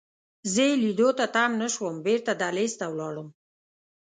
زه یې لیدو ته تم نه شوم، بیرته دهلېز ته ولاړم.